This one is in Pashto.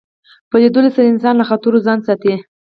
په لیدلو سره انسان له خطرو ځان ساتي